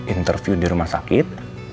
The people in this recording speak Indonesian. interview di rumah sakit